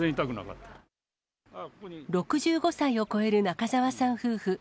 ６５歳を超える中沢さん夫婦。